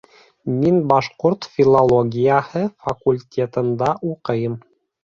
Мин башҡорт филологияһы факультетында уҡыйым